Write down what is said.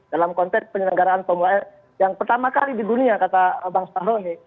dalam konteks penyelenggaraan formula e yang pertama kali di dunia kata bang saroni